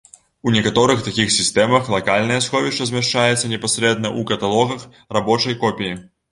У некаторых такіх сістэмах лакальнае сховішча змяшчаецца непасрэдна ў каталогах рабочай копіі.